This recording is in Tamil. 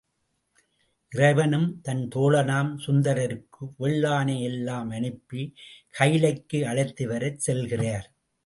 இறைவனும் தன் தோழனாம் சுந்தரருக்கு வெள்ளானை எல்லாம் அனுப்பி கயிலைக்கு அழைத்து வரச் செல்கிறார்.